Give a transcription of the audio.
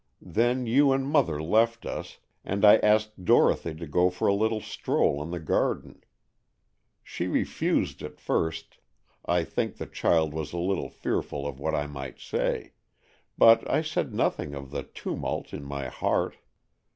Then you and mother left us, and I asked Dorothy to go for a little stroll in the garden. She refused at first—I think the child was a little fearful of what I might say—but I said nothing of the tumult in my heart.